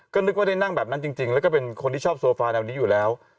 ก็นึกว่าได้นั่งแบบนั้นจริงแล้วก็เป็นคนที่ชอบโซฟาแนวนี้อยู่แล้ว